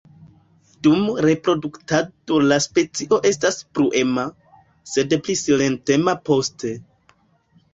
Dum reproduktado la specio estas bruema, sed pli silentema poste.